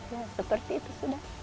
ya seperti itu sudah